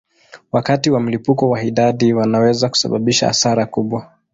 Wakati wa mlipuko wa idadi wanaweza kusababisha hasara kubwa.